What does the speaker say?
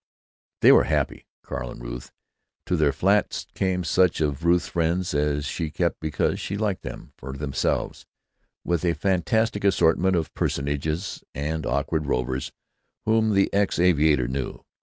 They were happy, Carl and Ruth. To their flat came such of Ruth's friends as she kept because she liked them for themselves, with a fantastic assortment of personages and awkward rovers whom the ex aviator knew.